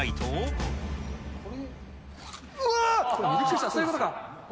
うわー、そういうことか。